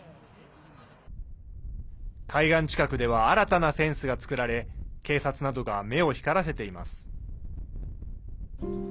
海岸近くでは新たなフェンスが作られ警察などが目を光らせています。